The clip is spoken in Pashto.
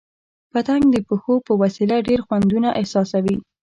پتنګ د پښو په وسیله ډېر خوندونه احساسوي.